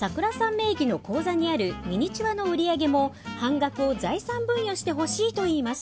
名義の口座にあるミニチュアの売り上げも半額を財産分与してほしいと言います。